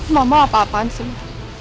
mama apa apaan semua